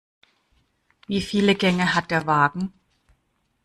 Wieviele Gänge hat der Wagen?